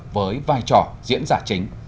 với vai trò diễn giả chính